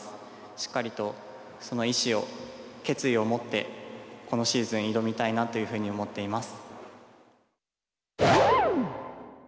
しっかりとその意思を、決意を持ってこのシーズン、挑みたいなというふうに思っています。